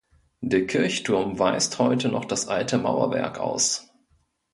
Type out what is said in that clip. Der Kirchturm weist heute noch das alte Mauerwerk aus.